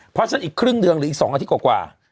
เพราะฉะนั้นอีกครึ่งเดือนหรืออีก๒อาทิตย์กว่า